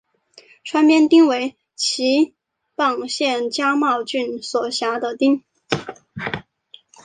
川边町为岐阜县加茂郡所辖的町。